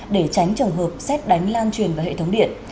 để tránh trường hợp xét đánh lan truyền vào hệ thống điện